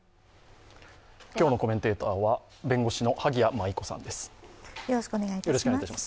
今日のコメンテーターは弁護士の萩谷麻衣子さんです。